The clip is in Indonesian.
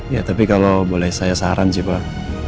ya tapi kalau boleh saya saran sih pak